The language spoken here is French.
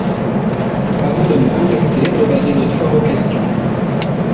Avant de nous contacter, regardez notre foire aux questions.